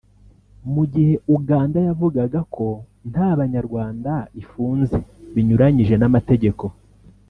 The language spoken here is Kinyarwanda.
Mu gihe Uganda yavugaga ko nta banyarwanda ifunze binyuranyije n’amategeko